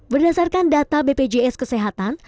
berdasarkan data bpjs kesehatan